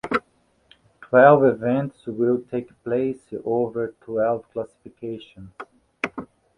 Twelve events will take place over twelve classifications.